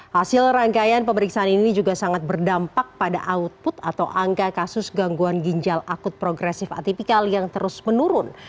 hasil rangkaian pemeriksaan ini juga sangat berdampak pada output atau angka kasus gangguan ginjal akut progresif atipikal yang terus menurun